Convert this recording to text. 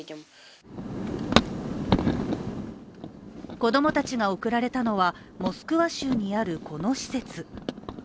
子供たちが送られたのはモスクワ州にあるこの施設。